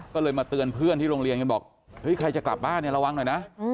ก็เลยมาเตือนเพื่อนที่โรงเรียนกันบอกเฮ้ยใครจะกลับบ้านเนี่ยระวังหน่อยนะ